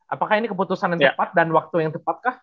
apakah ini keputusan yang tepat dan waktu yang tepatkah